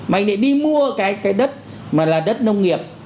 mà anh lại đi mua cái đất mà là đất nông nghiệp